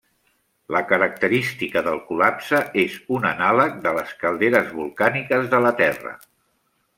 La característica del col·lapse és un anàleg de les calderes volcàniques de la Terra.